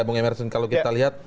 bung emerson kalau kita lihat